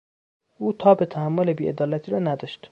او تاب تحمل بی عدالتی را نداشت.